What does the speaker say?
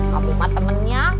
ngapain mah temennya